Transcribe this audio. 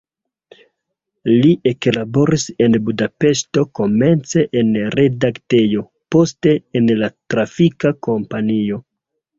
Li eklaboris en Budapeŝto komence en redaktejo, poste en la trafika kompanio.